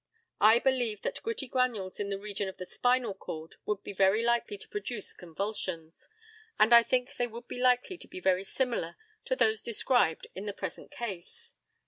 I believe that gritty granules in the region of the spinal cord would be very likely to produce convulsions, and I think they would be likely to be very similar to those described in the present case.